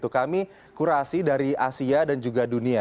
kami kurasi dari asia dan juga dunia